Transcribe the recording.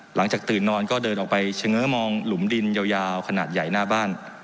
หลังจากตื่นนอนก็เดินออกไปเฉง้อมองหลุมดินยาวขนาดใหญ่หน้าบ้าน